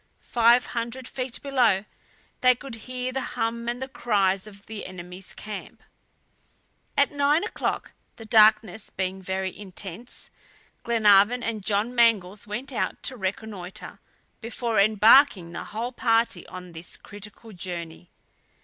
Five hundred feet below they could hear the hum and the cries of the enemy's camp. At nine o'clock the darkness being very intense, Glenarvan and John Mangles went out to reconnoiter before embarking the whole party on this critical journey.